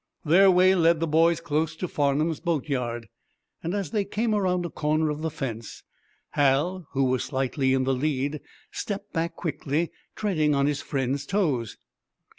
Their way led the boys close to Farnum's boatyard. As they came around a corner of the fence, Hal, who was slightly in the lead, stepped back quickly, treading on his friend's toes.